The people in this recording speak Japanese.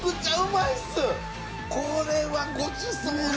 これはごちそうだ。